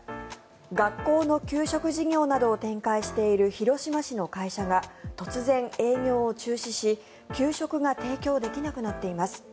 学校の給食事業などを展開している広島市の会社が突然営業を中止し、給食が提供できなくなっています。